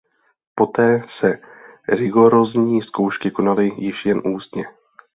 Poté se rigorózní zkoušky konaly již jen ústně.